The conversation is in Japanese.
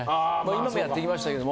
今もやってきましたけど。